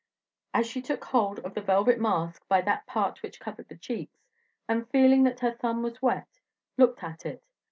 And she took hold of the velvet mask by that part which covered the cheeks, and feeling that her thumb was wet, looked at it.